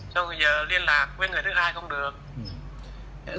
cho nên giờ liên lạc với người thứ hai không được